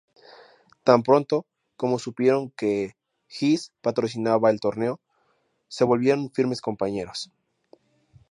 Tan pronto como supieron que Geese patrocinaba el torneo, se volvieron firmes compañeros.